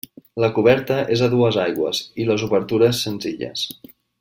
La coberta és a dues aigües i les obertures senzilles.